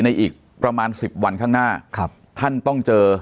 อีกประมาณ๑๐วันข้างหน้าท่านต้องเจอ